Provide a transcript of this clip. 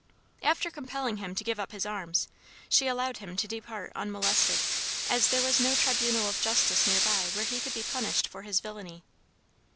After compelling him to give up his arms, she allowed him to depart unmolested, as there was no tribunal of justice near by where he could be punished for his villainy.